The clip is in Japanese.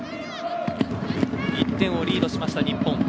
１点をリードした日本。